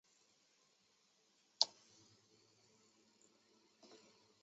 星毛糖芥为十字花科糖芥属下的一个种。